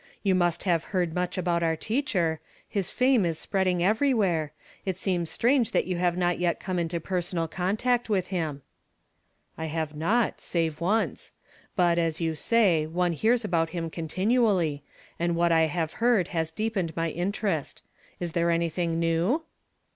You must have heard much about our teacher; his fame is spreading everywhere ; it seems strange that you have not yet come into pei sonal contact with him." " I have not, save once. But, as you say, one hears about him continually ; and what I have heard has deepened my interest. Is there anything new